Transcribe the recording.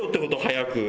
早く。